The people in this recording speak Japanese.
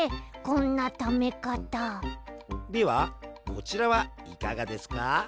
ではこちらはいかがですか？